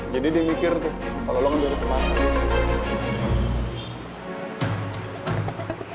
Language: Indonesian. jadi dia mikir tuh kalo lo ngenduri sepatu lo